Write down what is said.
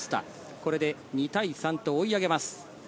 これで２対３と追い上げます。